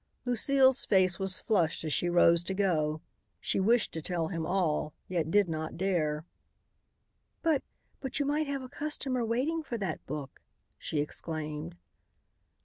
Lucile's face was flushed as she rose to go. She wished to tell him all, yet did not dare. "But but you might have a customer waiting for that book," she exclaimed.